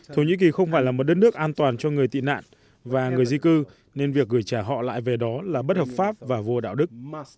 thổ nhĩ kỳ không phải là một đất nước an toàn cho người tị nạn và người di cư nên việc gửi trả họ lại về đó là bất hợp pháp và vô đạo đức